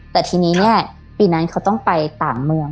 แต่ทีนี้เนี่ยปีนั้นเขาต้องไปต่างเมือง